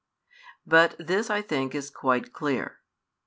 But this I think is quite clear.